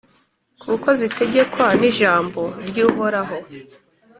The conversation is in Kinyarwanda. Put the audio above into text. kuko zitegekwa n’ijambo ry’Uhoraho,